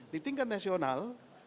di tingkat nasional